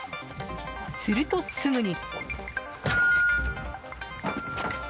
すると、すぐに。